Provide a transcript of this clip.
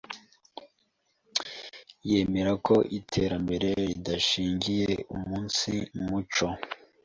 yemera ko iterambere ridashingiye umunsi muco